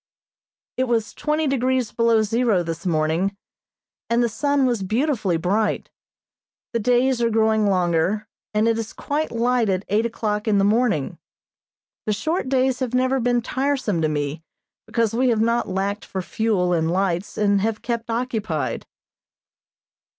It was twenty degrees below zero this morning, and the sun was beautifully bright. The days are growing longer, and it is quite light at eight o'clock in the morning. The short days have never been tiresome to me because we have not lacked for fuel and lights, and have kept occupied.